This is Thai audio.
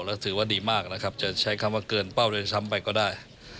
และถือว่าดีมากก็ใช้คำว่าเกินเป้าจะซ้ำไปก็ได้